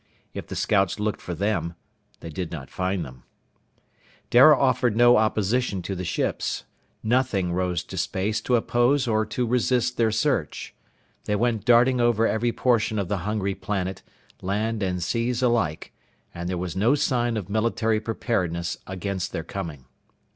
If the scouts looked for them, they did not find them. Dara offered no opposition to the ships. Nothing rose to space to oppose or to resist their search. They went darting over every portion of the hungry planet, land and seas alike, and there was no sign of military preparedness against their coming.